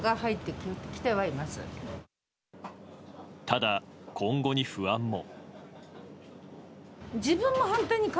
ただ、今後に不安も。